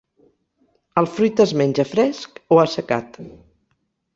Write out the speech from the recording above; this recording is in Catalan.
El fruit es menja fresc o assecat.